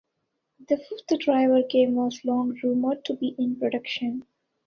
The fifth "Driver" game was long rumored to be in production.